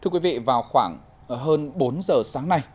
thưa quý vị vào khoảng hơn bốn giờ sáng nay